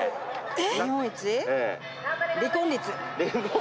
え！